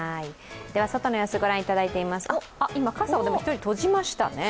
外の様子をご覧いただいています、今、傘を１人、とじましたね。